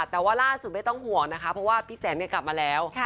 แต่ว่าล่าสุดไม่ต้องห่วงนะคะเพราะว่าพี่แสนกลับมาแล้ว